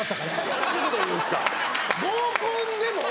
何ちゅうこと言うんですか。